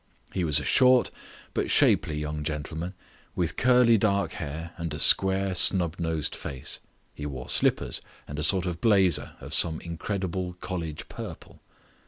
He was a short, but shapely young gentleman, with curly dark hair and a square, snub nosed face. He wore slippers and a sort of blazer of some incredible college purple.